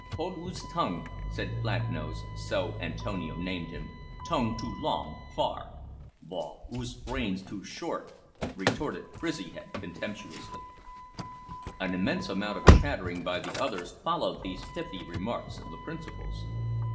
"Hold 'oos tongue," said Flatnose (so Antonio named him); "tongue too long far!" "Boh! 'oos brains too short," retorted Frizzyhead contemptuously. An immense amount of chattering by the others followed these pithy remarks of the principals.